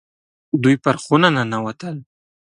دوی پر خونه ننوتل.